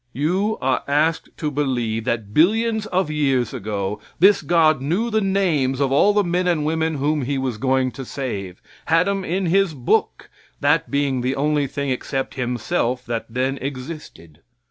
You are asked to believe that billions of years ago this God knew the names of all the men and women whom He was going to save. Had 'em in His book, that being the only thing except Himself that then existed.